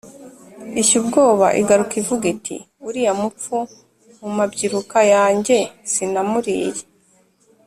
ishya ubwoba, igaruka ivuga iti «uriya mupfu mu mabyiruka yanjye sinamuriye